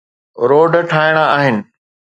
Road ٺاهڻا آهن.